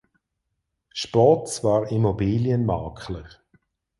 Spotts war Immobilienmakler.